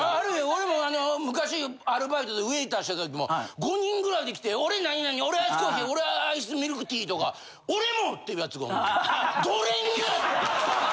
俺もあの昔アルバイトでウェーターしてた時も５人ぐらいで来て俺何々俺アイスコーヒー俺アイスミルクティーとか。って言う奴がおんねん。